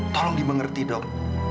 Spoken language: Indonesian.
tolong dimengerti dok